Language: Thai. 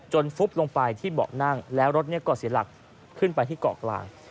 ฟุบลงไปที่เบาะนั่งแล้วรถก็เสียหลักขึ้นไปที่เกาะกลาง